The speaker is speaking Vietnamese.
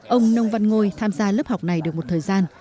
ông nông văn ngôi tham gia lớp học này được một thời gian